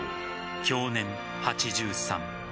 享年８３。